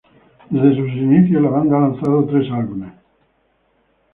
Desde sus inicios, la banda ha lanzado tres álbumes.